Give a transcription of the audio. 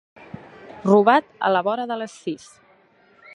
Robat a la vora de les sis.